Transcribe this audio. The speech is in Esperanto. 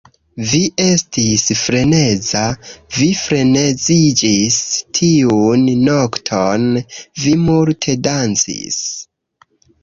Vi estis freneza. Vi freneziĝis tiun nokton. Vi multe dancis!